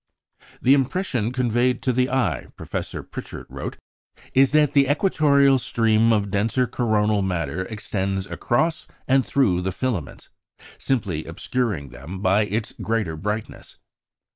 "The impression conveyed to the eye," Professor Pritchett wrote, "is that the equatorial stream of denser coronal matter extends across and through the filaments, simply obscuring them by its greater brightness.